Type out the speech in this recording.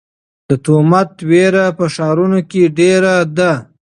د تومت وېره په ښارونو کې ډېره ده.